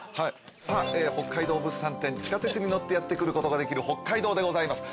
さあ北海道物産展地下鉄に乗ってやって来ることができる北海道でございます。